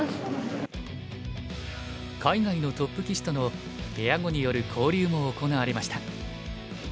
海外のトップ棋士とのペア碁による交流も行われました。